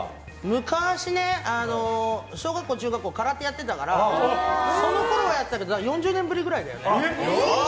昔ね、小学校、中学校と空手やってたからそのころはやってたけど４０年ぶりぐらいだよね。